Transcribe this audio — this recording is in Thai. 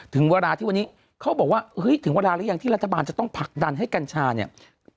ถึงเวลาที่วันนี้เขาบอกว่าเฮ้ยถึงเวลาหรือยังที่รัฐบาลจะต้องผลักดันให้กัญชาเนี่ย